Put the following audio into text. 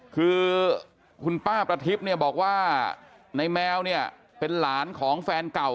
คือคุณป้าประทิบบอกว่านายแมวเป็นหลานของแฟนเก่า